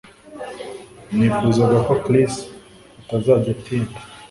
Nifuzaga ko Chris atazajya atinda